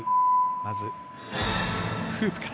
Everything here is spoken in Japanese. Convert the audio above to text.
まず、フープから。